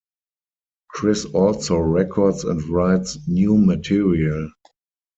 Chris also records and writes new material.